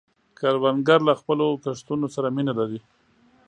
کروندګر له خپلو کښتونو سره مینه لري